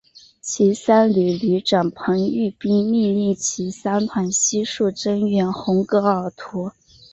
骑三旅旅长彭毓斌命令骑三团悉数增援红格尔图。